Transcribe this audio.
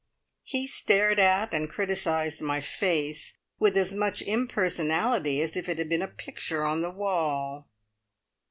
He stared at, and criticised my face, with as much impersonality as if it had been a picture on the wall.